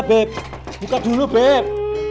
beb buka dulu beb